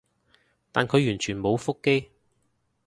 但佢完全冇覆機